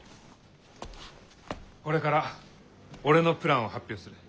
これから俺のプランを発表する。